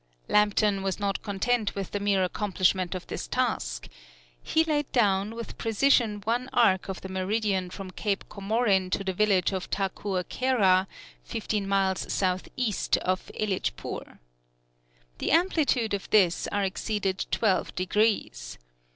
Lambton was not content with the mere accomplishment of this task. He laid down with precision one arc of the meridian from Cape Comorin to the village of Takoor Kera, fifteen miles south east of Ellichpoor. The amplitude of this arc exceeded twelve degrees.